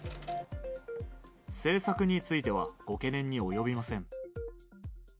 政策についてはご懸念に及びません。